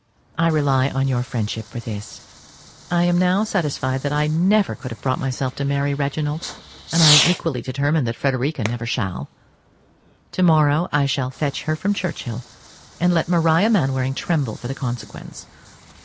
I rely on your friendship for this. I am now satisfied that I never could have brought myself to marry Reginald, and am equally determined that Frederica never shall. To morrow, I shall fetch her from Churchhill, and let Maria Mainwaring tremble for the consequence.